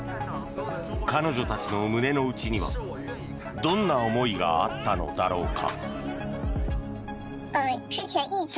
彼女たちの胸の内にはどんな思いがあったのだろうか。